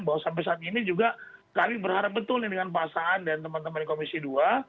bahwa sampai saat ini juga kami berharap betul dengan pak saan dan teman teman komisi dua